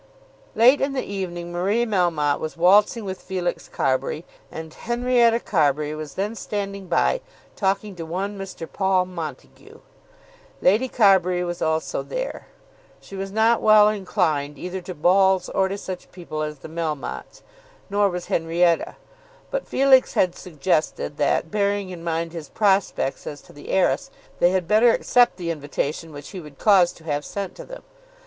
Late in the evening Marie Melmotte was waltzing with Felix Carbury, and Henrietta Carbury was then standing by talking to one Mr. Paul Montague. Lady Carbury was also there. She was not well inclined either to balls or to such people as the Melmottes; nor was Henrietta. But Felix had suggested that, bearing in mind his prospects as to the heiress, they had better accept the invitation which he would cause to have sent to them.